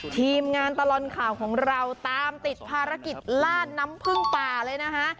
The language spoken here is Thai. ทีมงานตลอดข่าวของเราตามติดภารกิจลาดน้ำพึ่งป่าเลยนะคะ